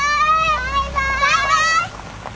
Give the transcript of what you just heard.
バイバーイ！